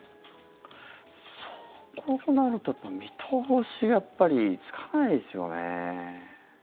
こうなると見通しがやっぱりつかないですよね。